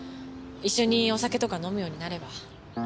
一緒にお酒とか飲むようになれば。